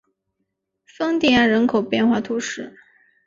丰蒂安人口变化图示